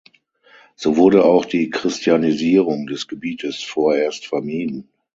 So wurde auch die Christianisierung des Gebietes vorerst vermieden.